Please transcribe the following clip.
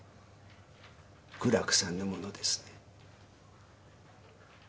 苦楽さんのものですね？